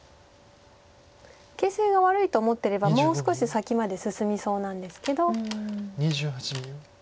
形勢が悪いと思ってればもう少し先まで進みそうなんですけど。